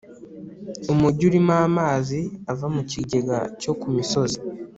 umujyi urimo amazi ava mu kigega cyo ku misozi